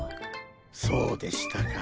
そうでしたか。